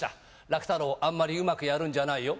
楽太郎、あんまりうまくやるんじゃないよ。